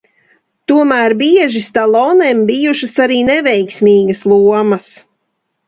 Tomēr bieži Stallonem bijušas arī neveiksmīgas lomas.